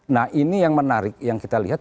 nah ini yang menarik yang kita lihat